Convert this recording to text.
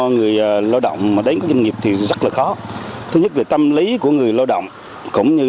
người lao động mà đến với doanh nghiệp thì rất là khó thứ nhất là tâm lý của người lao động cũng như